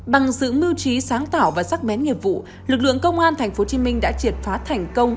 bằng sự mưu trí sáng tạo và sắc bén nghiệp vụ lực lượng công an tp hcm đã triệt phá thành công